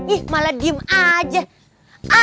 ih malah diem aja